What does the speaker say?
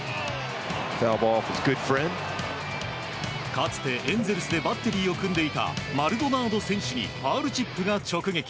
かつて、エンゼルスでバッテリーを組んでいたマルドナード選手にファウルチップが直撃。